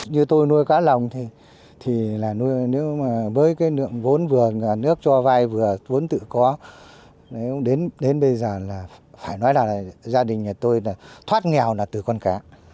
như tôi nuôi cá lồng thì với cái vốn vừa nước cho vai vừa vốn tự có đến bây giờ là phải nói là gia đình nhà tôi thoát nghèo là từ con cá